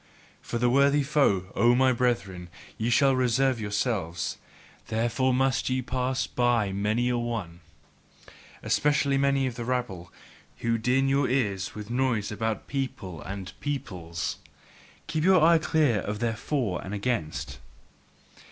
For the worthier foe, O my brethren, shall ye reserve yourselves: therefore must ye pass by many a one, Especially many of the rabble, who din your ears with noise about people and peoples. Keep your eye clear of their For and Against!